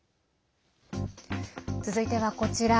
続いては、こちら。